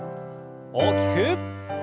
大きく。